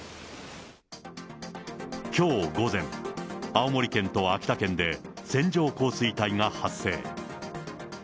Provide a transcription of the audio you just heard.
きょう午前、青森県と秋田県で、線状降水帯が発生。